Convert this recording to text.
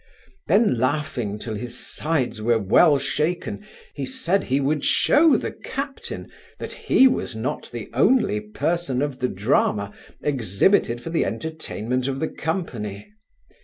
Then laughing till his sides were well shaken, he said he would shew the captain, that he was not the only person of the drama exhibited for the entertainment of the company.